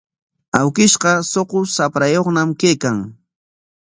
Awkishqa suqu shaprayuqñam kaykan.